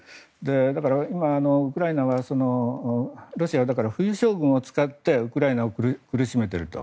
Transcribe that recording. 今、ウクライナはロシアは冬将軍を使ってウクライナを苦しめていると。